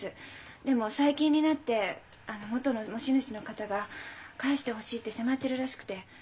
でも最近になって元の持ち主の方が「返してほしい」って迫ってるらしくて。